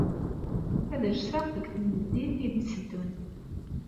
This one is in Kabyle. Ad rseɣ deg tenbeddit ay d-yetteddun.